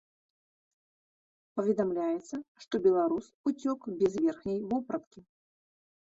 Паведамляецца, што беларус уцёк без верхняй вопраткі.